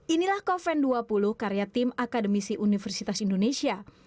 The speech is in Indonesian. inilah koven dua puluh karya tim akademisi universitas indonesia